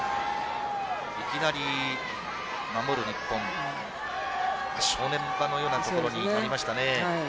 いきなり、守る日本正念場のようなところになりましたね。